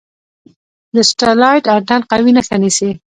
د سټلایټ انتن قوي نښه نیسي.